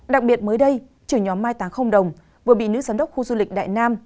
đặc biệt mới đây trưởng nhóm mai táng không đồng vừa bị nữ giám đốc khu du lịch đại nam